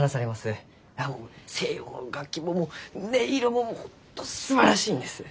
西洋の楽器ももう音色も本当すばらしいんです！